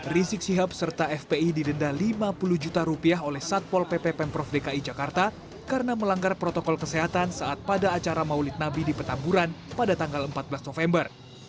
rizik sihab serta fpi didenda lima puluh juta rupiah oleh satpol pp pemprov dki jakarta karena melanggar protokol kesehatan saat pada acara maulid nabi di petamburan pada tanggal empat belas november